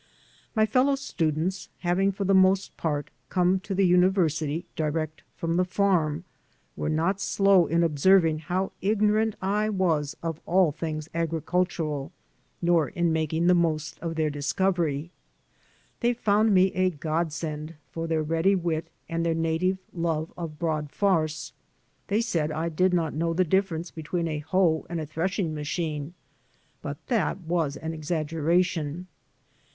My fellow students, having for the most part come to the university direct from the farm, were not slow in observing how ignorant I was of all things agricul tural, nor in making the most of their discovery. They 210 AN AMERICAN IN THE MAKING found me a godsend for their ready wit and their native love of broad farce. They said I did not know the difference between a hoe and a threshing machine; but that was an exaggeration.